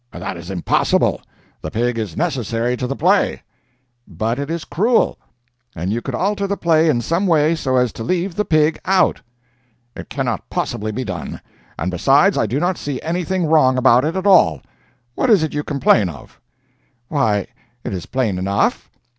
"That is impossible! The pig is necessary to the play." "But it is cruel, and you could alter the play in some way so as to leave the pig out." "It cannot possibly be done, and besides I do not see anything wrong about it at all. What is it you complain of?" "Why, it is plain enough.